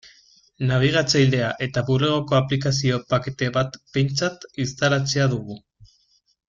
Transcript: Nabigatzailea eta Bulegoko aplikazio-pakete bat behintzat instalatzea dugu.